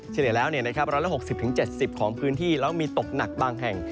เฉลี่ยแล้ว๑๖๐๗๐ของพื้นที่แล้วมีตกหนักบางแห่ง